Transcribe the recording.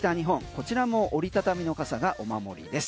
こちらも折りたたみの傘がお守りです。